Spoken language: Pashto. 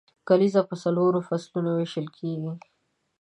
کلیزه په څلورو فصلو ویشل کیږي.